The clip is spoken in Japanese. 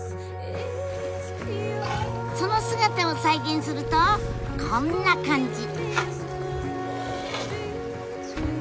その姿を再現するとこんな感じ。